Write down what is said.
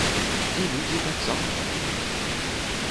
І людзі таксама так ідуць.